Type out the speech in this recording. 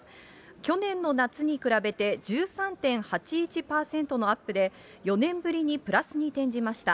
去年の夏に比べて１３．８１％のアップで、４年ぶりにプラスに転じました。